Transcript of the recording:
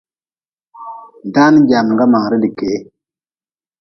Daan jamga man ridi kee.